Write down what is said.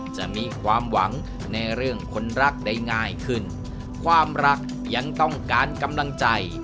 จะมีความหวังในเรื่องคนรักได้ง่ายขึ้นความรักยังต้องการกำลังใจ